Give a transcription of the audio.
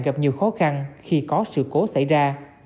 gặp nhiều khó khăn khi có sự cố xảy ra